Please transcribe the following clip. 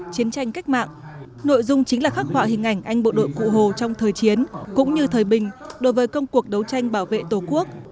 chiến tranh cách mạng nội dung chính là khắc họa hình ảnh anh bộ đội cụ hồ trong thời chiến cũng như thời bình đối với công cuộc đấu tranh bảo vệ tổ quốc